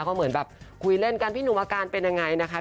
เขาเหมือนแบบคุยเล่นกันพี่หนุ่มอาการเป็นยังไงนะคะ